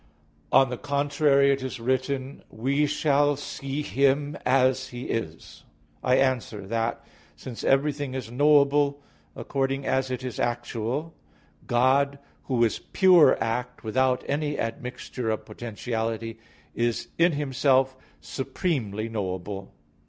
On the contrary, It is written: "We shall see Him as He is" (1 John 2:2). I answer that, Since everything is knowable according as it is actual, God, Who is pure act without any admixture of potentiality, is in Himself supremely knowable.